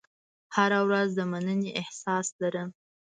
هره ورځ د مننې احساس لرم.